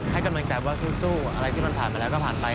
ให้กำลังใจว่าสู้อะไรที่มันผ่านมาแล้วก็ผ่านไป